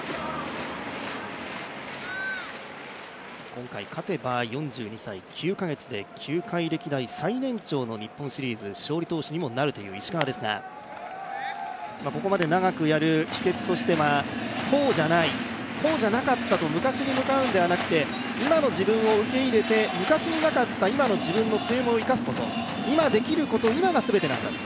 今回勝てば４２歳９か月で球界歴代最年長の日本シリーズ勝利投手にもなるという石川ですがここまで長くやる秘けつとしてはこうじゃない、こうじゃなかったと昔に向かうんじゃなくて今の自分を受け入れて昔になかった今の自分の強みを生かすこと今できること、今が全てなんだと、